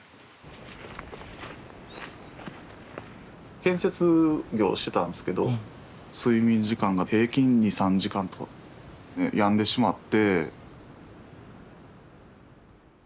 建設業をしてたんですけど睡眠時間が平均２３時間とかで病んでしまって。